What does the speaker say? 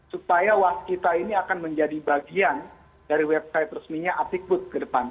supaya waskita ini akan menjadi bagian dari website resminya apikbud ke depan